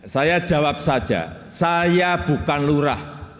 saya jawab saja saya bukan lurah